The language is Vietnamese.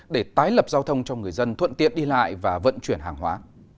để tái lập giao thông cho người dân thuận tiện đi lại và vận chuyển hàng hóa